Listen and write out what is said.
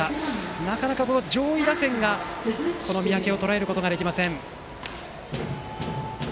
なかなか上位打線が三宅をとらえることができません。